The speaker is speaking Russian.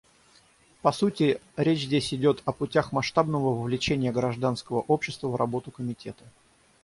По сути, речь здесь идет о путях масштабного вовлечения гражданского общества в работу Комитета.